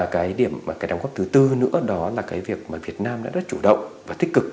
cái đồng góp thứ tư nữa đó là cái việc mà việt nam đã rất chủ động và tích cực